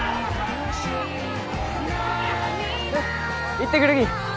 行ってくるき。